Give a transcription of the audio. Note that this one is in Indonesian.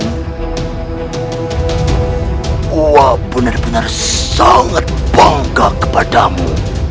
oh benar benar sangat bangga kepadamu